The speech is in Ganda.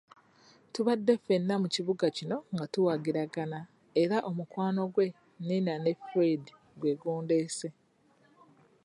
Tubadde ffena mu kibuga kino nga tuwagiragana era omukwano gwe nnina ne Fred gwe gundeese.